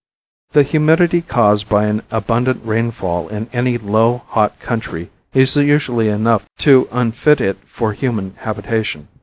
The humidity caused by an abundant rainfall in any low, hot country is usually enough to unfit it for human habitation.